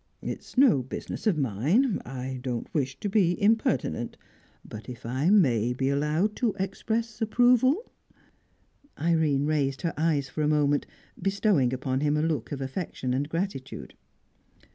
"It's no business of mine; I don't wish to be impertinent; but if I may be allowed to express approval " Irene raised her eyes for a moment, bestowing upon him a look of affection and gratitude.